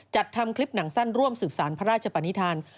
จัดทำคลิปหนังสั้นร่วมสืบสารพระราชปนิษฐาน